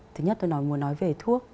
thứ nhất tôi muốn nói về thuốc